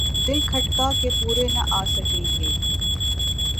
دل کھٹکا کہ پورے نہ آسکیں گے ۔